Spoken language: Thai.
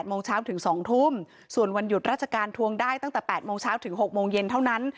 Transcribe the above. โมงเช้าถึง๒ทุ่มส่วนวันหยุดราชการทวงได้ตั้งแต่๘โมงเช้าถึง๖โมงเย็นเท่านั้น